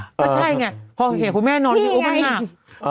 ก็ใช่ไงพอเห็นคุณแม่นอนอ๋อมันหนัก